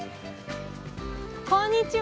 こんにちは！